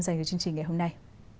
dành cho chương trình ngày hôm nay